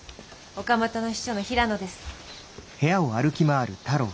岡本の秘書の平野です。